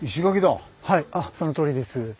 はいそのとおりです。